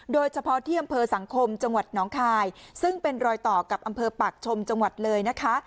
โดยเฉพาะที่อำเภอสังคมจังหวัดน้องคายซึ่งเป็นรอยต่อกับอำเภอปากชมจังหวัดเลยนะคะ